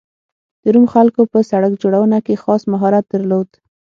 د روم خلکو په سړک جوړونه کې خاص مهارت درلود